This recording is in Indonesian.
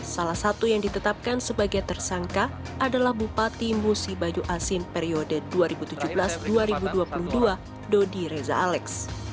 salah satu yang ditetapkan sebagai tersangka adalah bupati musi bajo asin periode dua ribu tujuh belas dua ribu dua puluh dua dodi reza alex